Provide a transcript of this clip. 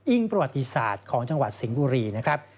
ประวัติศาสตร์ของจังหวัดสิงห์บุรีนะครับ